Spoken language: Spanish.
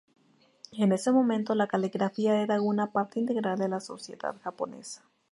En ese momento, la caligrafía era una parte integral de la sociedad japonesa.